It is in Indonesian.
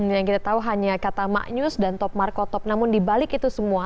yang kita tahu hanya kata maknyus dan top marko top namun dibalik itu semua